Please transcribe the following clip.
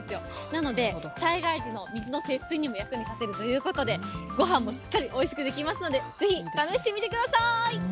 なので、災害時の水の節水にも役に立てるということで、ごはんもしっかりおいしくできますので、ぜひ試してみてください。